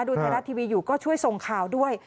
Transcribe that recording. ดูไทยรัฐทีวีอยู่ก็ช่วยส่งข่าวด้วย